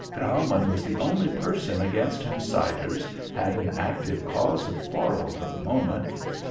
"Graumann was the only person against whom Siders had an active cause of quarrel for the moment.